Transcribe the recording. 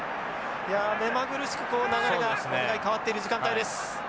いや目まぐるしく流れがお互い変わっている時間帯です。